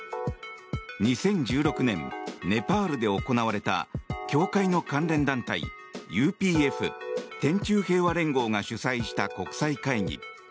２０１６年ネパールで行われた教会の関連団体ＵＰＦ・天宙平和連合が主催した国際会議。